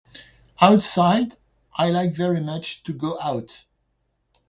Outside? I like very much to go out.